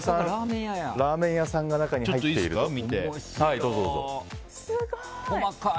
ラーメン屋さんが中に入っているという。